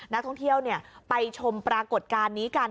นักท่องเที่ยวไปชมปรากฏการณ์นี้กัน